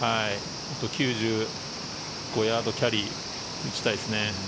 １９５ヤードキャリー打ちたいですね。